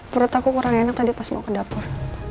perut aku kurang enak tadi pas mau ke dapur